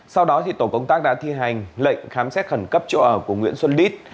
sau đó tổ công tác đã thi hành lệnh khám xét khẩn cấp chỗ ở của nguyễn xuân lít